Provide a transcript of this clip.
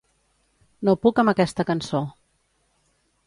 No puc amb aquesta cançó.